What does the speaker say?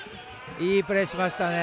いいプレーしましたね！